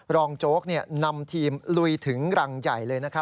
รองโจ๊กเนี่ยนำทีมลุยถึงรังใหญ่เลยนะครับ